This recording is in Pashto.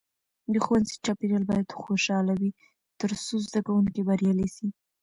د ښوونځي چاپیریال باید خوشحاله وي ترڅو زده کوونکي بریالي سي.